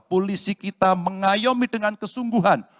polisi kita mengayomi dengan kesungguhan